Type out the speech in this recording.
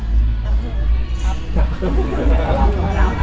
รับเพิ่มครับ